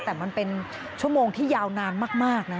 แต่มันเป็นชั่วโมงที่ยาวนานมากนะ